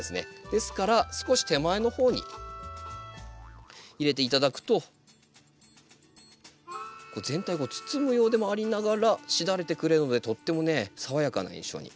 ですから少し手前の方に入れて頂くと全体をこう包むようでもありながらしだれてくれるのでとってもね爽やかな印象に。